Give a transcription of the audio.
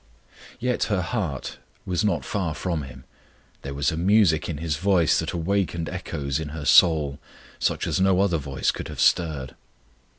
Yet her heart was not far from Him: there was a music in His voice that awakened echoes in her soul such as no other voice could have stirred.